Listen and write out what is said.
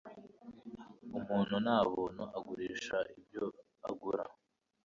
Umuntu nta buntu agurisha ibyo agura